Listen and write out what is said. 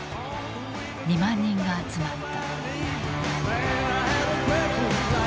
２万人が集まった。